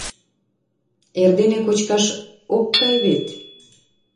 — Эрдене кочкаш ок кай вет.